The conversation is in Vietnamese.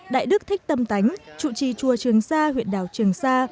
đại đức thích tâm tánh chủ trì chùa trường sa huyện đảo trường sa